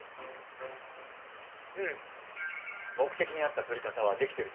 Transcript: うん目的に合った撮り方はできてると思いますよ。